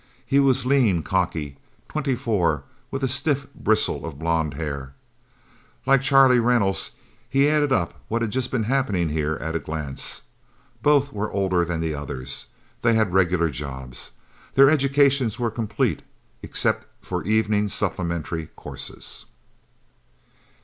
He was lean, cocky, twenty four, with a stiff bristle of blond hair. Like Charlie Reynolds, he added up what had just been happening, here, at a glance. Both were older than the others. They had regular jobs. Their educations were completed, except for evening supplementary courses.